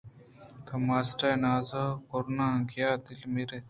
تو ماسٹر ءِ ناز ءُگروناکیاں دل ءَ میاراِت